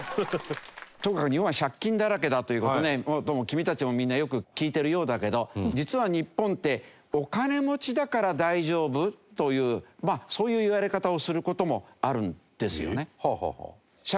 とにかく日本は借金だらけだという事をねどうも君たちもみんなよく聞いているようだけど実は日本ってお金持ちだから大丈夫というそういう言われ方をする事もあるんですよね。えっ？